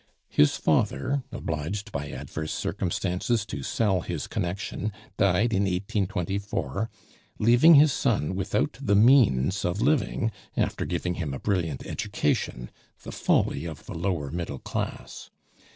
His father, obliged by adverse circumstances to sell his connection, died in 1824, leaving his son without the means of living, after giving him a brilliant education, the folly of the lower middle class.